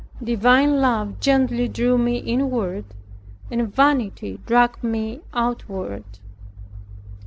Divine love gently drew me inward, and vanity dragged me outward.